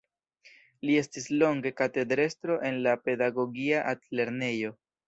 Li estis longe katedrestro en la Pedagogia Altlernejo.